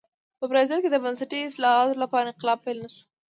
په برازیل کې د بنسټي اصلاحاتو لپاره انقلاب پیل نه شو.